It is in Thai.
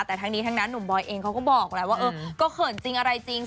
แต่ทั้งนี้ทั้งนั้นหนุ่มบอยเองเขาก็บอกแหละว่าเออก็เขินจริงอะไรจริง